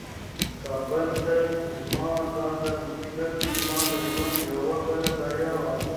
کابل ته زما دا ځل تلل زما د ژوند یوه بله بریا وه.